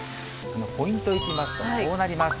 ポイントいきますと、こうなります。